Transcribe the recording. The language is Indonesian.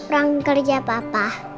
ruang kerja papa